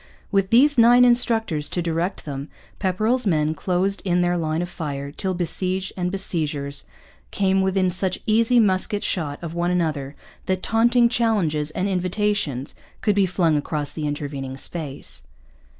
With these nine instructors to direct them Pepperrell's men closed in their line of fire till besieged and besiegers came within such easy musket shot of one another that taunting challenges and invitations could be flung across the intervening space.